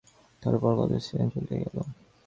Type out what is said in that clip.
তাহার পর কত স্টেশন চলিয়া গেল।